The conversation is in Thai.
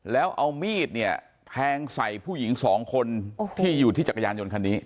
แล้วเอามีดเนี่ยแทงใส่ผู้หญิงสองคนที่อยู่ที่จักรยานยนต์คันนี้